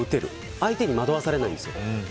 相手に惑わされないようにするんです。